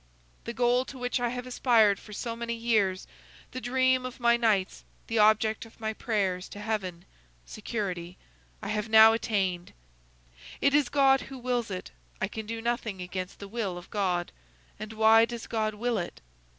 The goal to which I have aspired for so many years, the dream of my nights, the object of my prayers to Heaven,—security,—I have now attained; it is God who wills it; I can do nothing against the will of God, and why does God will it?